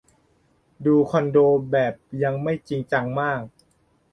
ดูคอนโด แบบยังไม่จริงจังมาก